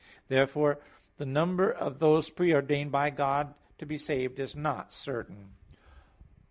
Therefore the number of those pre ordained by God to be saved is not certain.